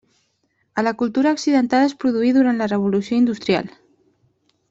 A la cultura occidental es produí durant la Revolució Industrial.